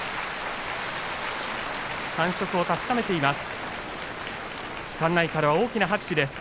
感触を確かめています。